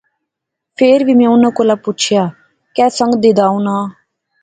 فیر وی میں انیں کولا پچھیا۔۔۔ کہہ سنگ دا انے ناں؟